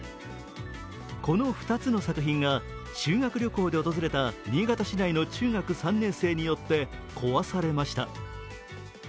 この２つの作品が修学旅行で訪れた新潟市内の中学３年生によって壊されました。